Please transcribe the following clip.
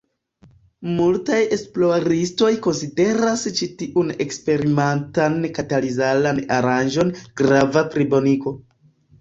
Multaj esploristoj konsideras ĉi tiun eksperimentan katalizilan aranĝon grava plibonigo.